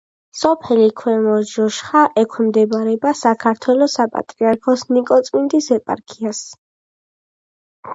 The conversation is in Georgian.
სოფელი ქვემო ჟოშხა ექვემდებარება საქართველოს საპატრიარქოს ნიკორწმინდის ეპარქიას.